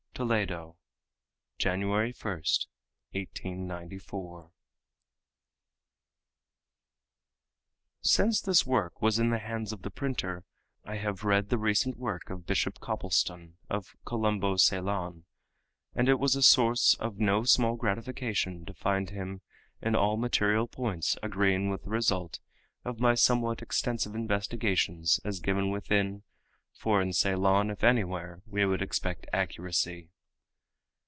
TOLEDO, January 1, 1894. Since this work was in the hands of the printer I have read the recent work of Bishop Copelston, of Columbo, Ceylon, and it was a source of no small gratification to find him in all material points agreeing with the result of my somewhat extensive investigations as given within, for in Ceylon, if anywhere, we would expect accuracy.